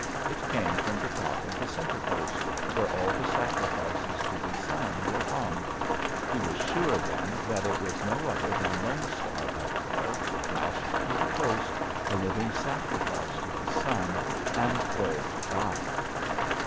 It came from the top of the center post, where all the sacrifices to the sun were hung. He was sure then that it was no other than Lone Star up there, lashed to the post, a living sacrifice to the sun, and there to die!